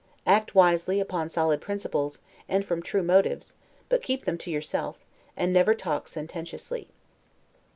Act wisely, upon solid principles, and from true motives, but keep them to yourself, and never talk sententiously.